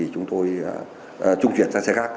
chúng tôi trung chuyển sang xe khác